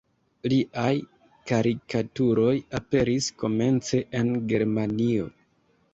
Liaj karikaturoj aperis komence en Germanio.